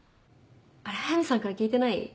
あれ速見さんから聞いてない？